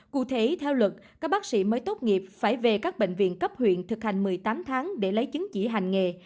cụ thể theo luật các bác sĩ mới tốt nghiệp phải về các bệnh viện cấp huyện thực hành một mươi tám tháng để lấy chứng chỉ hành nghề